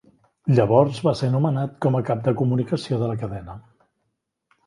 Llavors va ser nomenat com a cap de comunicació de la cadena.